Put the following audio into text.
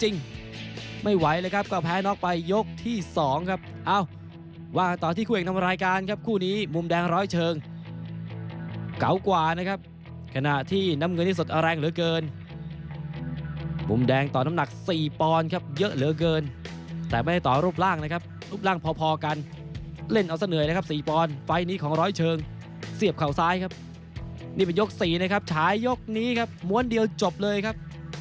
นี่เป็นยกสี่นะครับถ่ายยกนี้ครับมวลเดียวจบเลยครับ